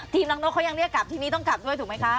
น้องนกเขายังเรียกกลับทีนี้ต้องกลับด้วยถูกไหมคะ